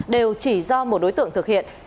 đều chỉ do một đối tượng thực hiện